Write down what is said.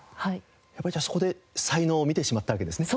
やっぱりじゃあそこで才能を見てしまったわけですね。